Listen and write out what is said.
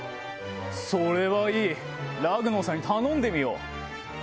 それはいいラグノオさんに頼んでみよう。